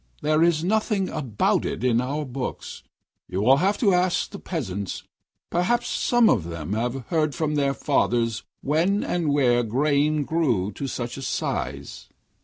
There is nothing about it in our books. You will have to ask the peasants; perhaps some of them may have heard from their fathers when and where grain grew to such a size.'